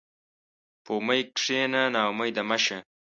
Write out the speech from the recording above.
په امید کښېنه، ناامیده مه شه.